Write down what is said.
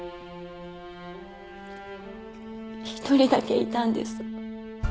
一人だけいたんです。